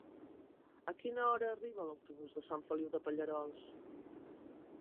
A quina hora arriba l'autobús de Sant Feliu de Pallerols?